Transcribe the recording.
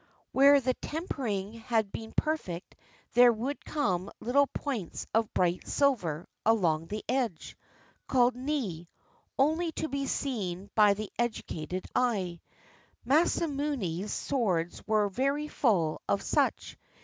Where the tempering had been perfect there would come little points of bright silver along the edge — called nie, only to be seen by the educated eye. Masamune's swords were very full of such.